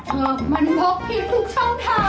เธอมันบอกพี่ทุกช่องทาง